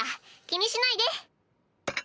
気にしないで。